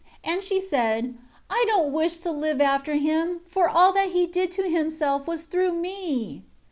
6 And she said, "I don't wish to live after him; for all that he did to himself was through me."